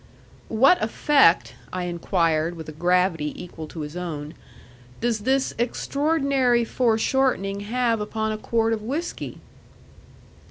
"What effect," I inquired with a gravity equal to his own, "does this extraordinary foreshortening have upon a quart of whiskey?"